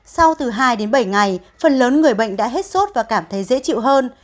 sau từ hai đến bảy ngày phần lớn người bệnh đã hết sốt và cảm thấy dễ chịu hơn